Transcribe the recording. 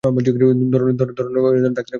ধরতে ডাক্তারের কপাল বরাবর!